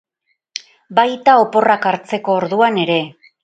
Baita oporrak hartzeko orduan ere.